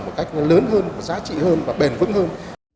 một cách lớn hơn có giá trị hơn và bền vững hơn